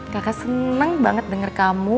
kakak senang banget denger kamu